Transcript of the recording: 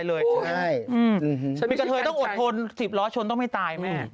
บิกเทย์ต้องอดทนสีบล้อชนต้องไม่ตายแม่ง